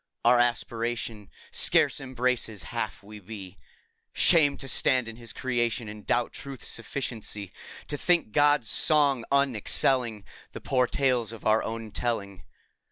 Our aspiration Scarce embraces half we be. Shame ! to stand in His creation And doubt Truth's sufficiency! To think God's song unexcelling The poor tales of our own telling.